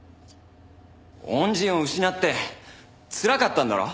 恩人を失ってつらかったんだろ？